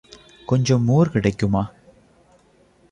கொஞ்சம் மோர் கிடைக்குமா?